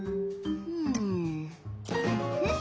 ふんよし。